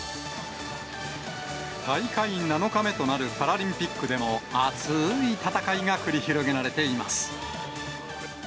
大会７日目となるパラリンピックでも、熱ーい戦いが繰り広げられています。